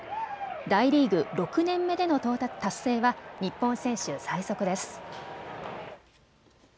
大リーグ６年目での達成は日本選手最速です。